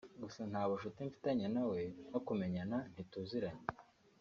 gusa nta bucuti mfitanye na we no kumenyana ntituziranye”